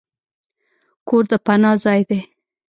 کور د پناه ځای دی.